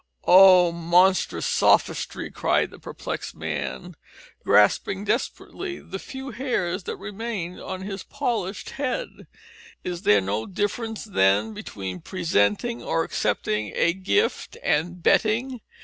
"Oh! monstrous sophistry," cried the perplexed man, grasping desperately the few hairs that remained on his polished head, "is there no difference then between presenting or accepting a gift and betting?